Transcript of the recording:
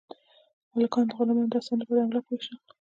مالکانو د غلامانو د هڅونې لپاره املاک وویشل.